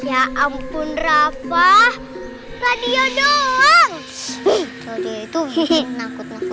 ya ampun rafa radio doang itu ngikutin aja